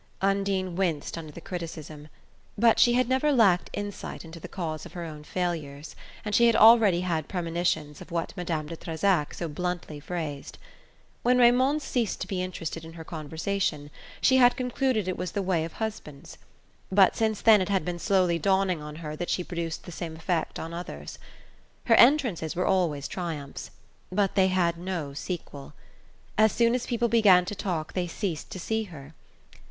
Undine winced under the criticism; but she had never lacked insight into the cause of her own failures, and she had already had premonitions of what Madame de Trezac so bluntly phrased. When Raymond ceased to be interested in her conversation she had concluded it was the way of husbands; but since then it had been slowly dawning on her that she produced the same effect on others. Her entrances were always triumphs; but they had no sequel. As soon as people began to talk they ceased to see her.